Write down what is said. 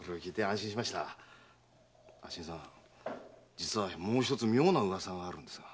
じつはもう一つ妙な噂があるんですが。